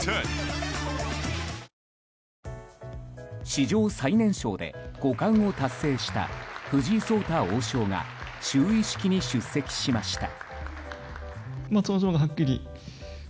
史上最年少で五冠を達成した藤井聡太王将が就位式に出席しました。